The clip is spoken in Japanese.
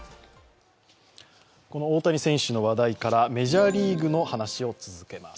この大谷選手の話題からメジャーリーグの話を続けます。